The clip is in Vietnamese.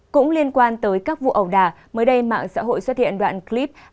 cũng liên quan tới các vụ ẩu đà mới đây mạng xã hội xuất hiện đoạn clip